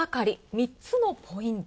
３つのポイント。